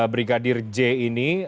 brigadir j ini